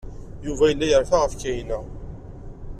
Yuba yella yerfa ɣef Kahina.